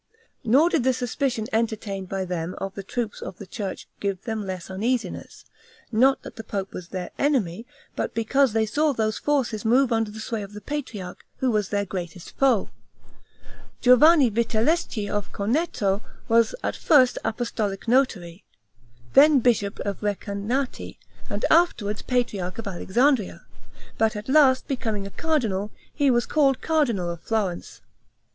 Nor did the suspicion entertained by them of the troops of the church give them less uneasiness; not that the pope was their enemy, but because they saw those forces more under the sway of the patriarch, who was their greatest foe. Giovanni Vitelleschi of Corneto was at first apostolic notary, then bishop of Recanati, and afterward patriarch of Alexandria; but at last, becoming a cardinal, he was called Cardinal of Florence.